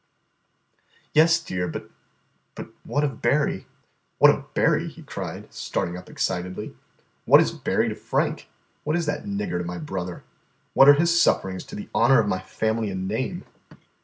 "Yes, dear, but but what of Berry?" "What of Berry?" he cried, starting up excitedly. "What is Berry to Frank? What is that nigger to my brother? What are his sufferings to the honour of my family and name?"